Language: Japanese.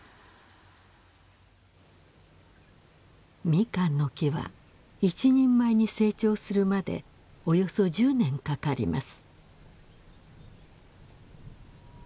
ミカンの木は一人前に成長するまでおよそ１０年かかります。